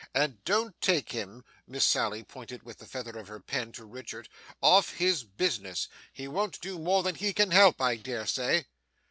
And don't take him,' Miss Sally pointed with the feather of her pen to Richard, 'off his business. He won't do more than he can help, I dare say.